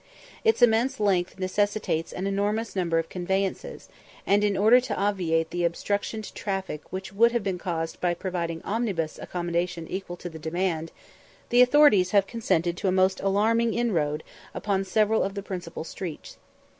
Its immense length necessitates an enormous number of conveyances; and in order to obviate the obstruction to traffic which would have been caused by providing omnibus accommodation equal to the demand, the authorities have consented to a most alarming inroad upon several of the principal streets.